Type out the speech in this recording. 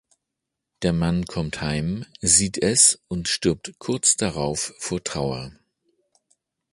Der Mann kommt heim, sieht es und stirbt kurz darauf vor Trauer.